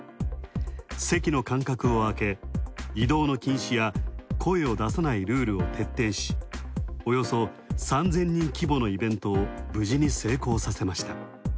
席の間隔を空け、移動の禁止や声を出さないルールを徹底し、およそ３０００人規模のイベントを無事に成功させました。